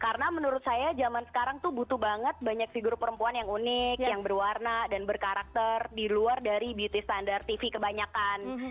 karena menurut saya zaman sekarang tuh butuh banget banyak figur perempuan yang unik yang berwarna dan berkarakter di luar dari beauty standar tv kebanyakan